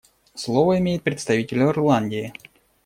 Слово имеет представитель Ирландии.